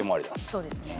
そうですね。